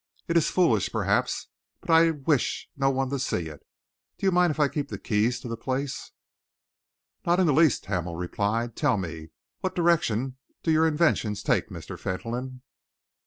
It is foolish, perhaps, but I wish no one to see it. Do you mind if I keep the keys of the place?" "Not in the least," Hamel replied. "Tell me, what direction do your inventions take, Mr. Fentolin?"